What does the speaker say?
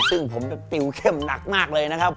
ซึ่งผมจะติวเข้มหนักมากเลยนะครับ